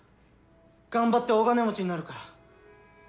頑張って大金持ちになるから！